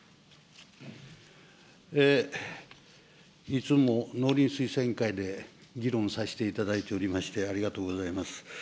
いつも農林水産委員会で、議論させていただいておりまして、ありがとうございます。